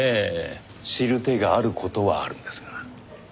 知る手がある事はあるんですが。